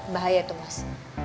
bahaya tuh mas